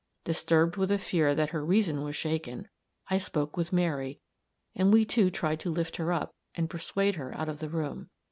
Disturbed with a fear that her reason was shaken, I spoke with Mary, and we two tried to lift her up, and persuade her out of the room.